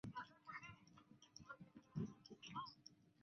他是皇帝康拉德二世的父亲。